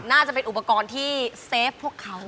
น่าจะเป็นอุปกรณ์ที่เซฟพวกเขา